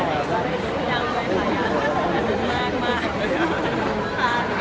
พี่เจ้าว่ามันแกงมาก